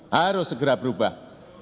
harus segera berubah